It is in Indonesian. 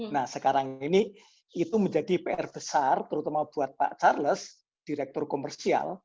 nah sekarang ini itu menjadi pr besar terutama buat pak charles direktur komersial